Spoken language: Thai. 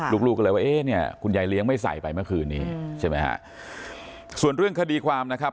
ลูกลูกก็เลยว่าเอ๊ะเนี่ยคุณยายเลี้ยงไม่ใส่ไปเมื่อคืนนี้ใช่ไหมฮะส่วนเรื่องคดีความนะครับ